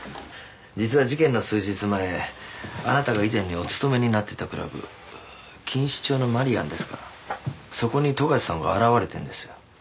実は事件の数日前あなたが以前にお勤めになってたクラブ錦糸町の「マリアン」ですかそこに富樫さんが現れてるんですよ